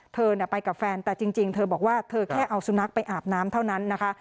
เธอไปกับแฟนแต่จริงเธอบอกว่าเธอแค่เอาสุนัขไปอาบน้ำเท่านั้นนะคะ